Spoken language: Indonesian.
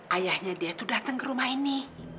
ayahnya dia itu datang ke rumah ini